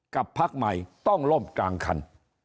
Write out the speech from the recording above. พักใหม่ต้องล่มกลางคัน